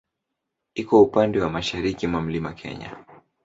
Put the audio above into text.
Iko katika upande wa mashariki mwa Mlima Kenya.